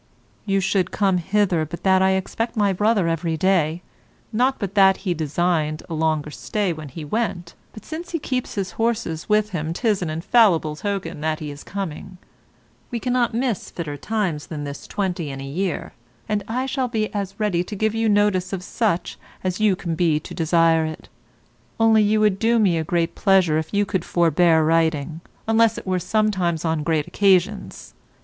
You should come hither but that I expect my brother every day; not but that he designed a longer stay when he went, but since he keeps his horses with him 'tis an infallible token that he is coming. We cannot miss fitter times than this twenty in a year, and I shall be as ready to give you notice of such as you can be to desire it, only you would do me a great pleasure if you could forbear writing, unless it were sometimes on great occasions.